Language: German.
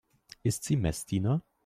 Ist sie Messdiener?